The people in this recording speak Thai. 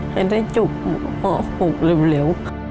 ให้ได้จุบหัวหกเร็ว